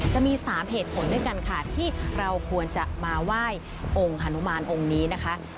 จะมี๓เหตุผลด้วยกันค่ะที่เราควรจะมาไหว้องค์ฮานุมานองค์นี้นะคะ